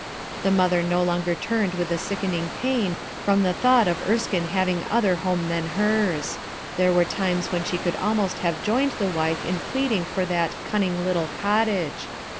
The mother no longer turned with a sickening pain from the thought of Erskine having other home than hers. There were times when she could almost have joined his wife in pleading for that "cunning little cottage."